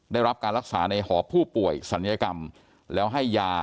ได้รับการรักษาในหอผู้ป่วยศัลยกรรมแล้วให้ยา